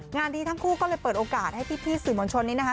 งานที่ทั้งคู่ก็และเปิดโอกาสชื่อบัญชนนี้นะคะ